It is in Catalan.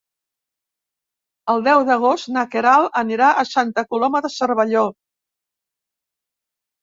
El deu d'agost na Queralt anirà a Santa Coloma de Cervelló.